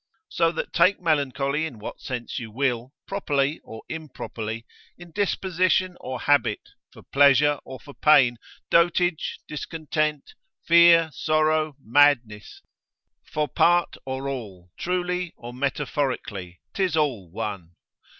So that take melancholy in what sense you will, properly or improperly, in disposition or habit, for pleasure or for pain, dotage, discontent, fear, sorrow, madness, for part, or all, truly, or metaphorically, 'tis all one.